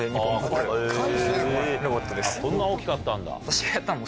こんな大きかったんだ。